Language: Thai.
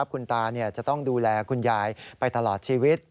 คุณตาจะต้องดูแลคุณยายไปตลอดชีวิต